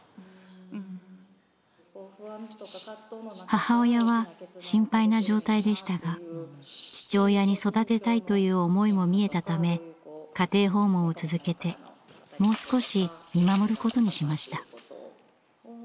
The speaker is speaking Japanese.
母親は心配な状態でしたが父親に育てたいという思いも見えたため家庭訪問を続けてもう少し見守ることにしました。